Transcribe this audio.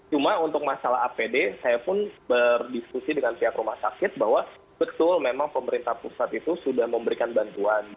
cuma untuk masalah apd saya pun berdiskusi dengan pihak rumah sakit bahwa betul memang pemerintah pusat itu sudah memberikan bantuan